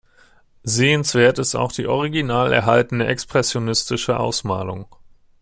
Sehenswert ist auch die original erhaltene expressionistische Ausmalung.